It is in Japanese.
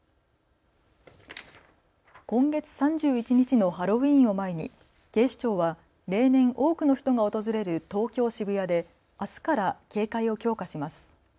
今月３１日のハロウィーンを前に警視庁は例年、多くの人が訪れる東京渋谷であすから警戒を強化します。